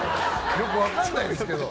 よく分からないですけど。